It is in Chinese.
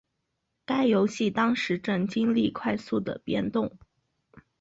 该游戏当时正经历快速的变动。